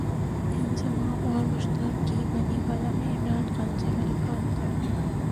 انضمام اور مشتاق کی بنی گالا میں عمران خان سے ملاقات